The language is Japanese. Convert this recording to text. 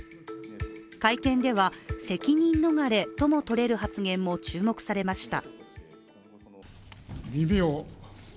会見では責任逃れともとれる発言も注目されました。